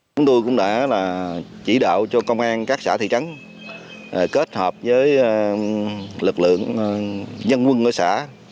chúng tôi cũng đã chỉ đạo cho công an các xã thị trấn kết hợp với lực lượng dân quân ở xã